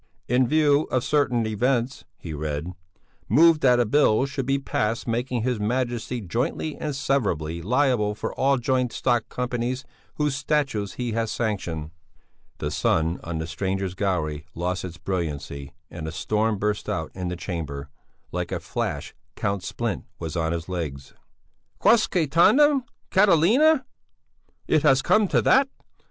"In view of certain events," he read, "move that a Bill should be passed making his Majesty jointly and severally liable for all joint stock companies whose statutes he has sanctioned." The sun on the strangers' gallery lost its brilliancy and a storm burst out in the Chamber. Like a flash Count Splint was on his legs: "Quosque tandem, Catilina! It has come to that!